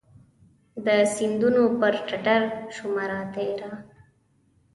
د سیندونو پر ټټرشومه راتیره